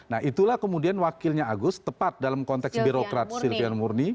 nah itulah kemudian wakilnya agus tepat dalam konteks birokrat silvian murni